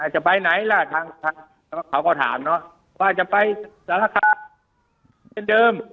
จะไปสรรคาเช่นเดิม